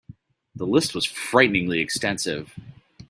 The list was frighteningly extensive.